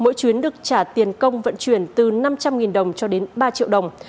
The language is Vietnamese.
mỗi chuyến được trả tiền công vận chuyển từ năm trăm linh đồng cho đến ba triệu đồng